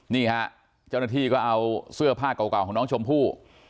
นี่ฮะเจ้าหน้าที่ก็เอาเสื้อผ้าเก่าของน้องชมพู่